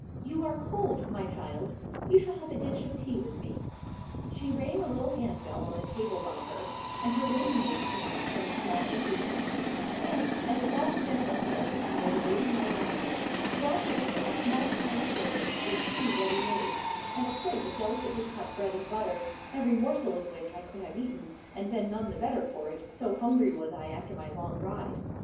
"You are cold, my child. You shall have a dish of tea with me." She rang a little hand bell on the table by her, and her waiting maid came in from a small anteroom; and, as if all had been prepared, and was awaiting my arrival, brought with her a small china service with tea ready made, and a plate of delicately cut bread and butter, every morsel of which I could have eaten, and been none the better for it, so hungry was I after my long ride.